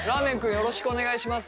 よろしくお願いします。